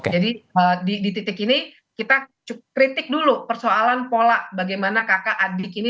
jadi di titik ini kita kritik dulu persoalan pola bagaimana kakak adik ini